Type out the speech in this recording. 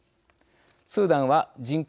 スーダンは人口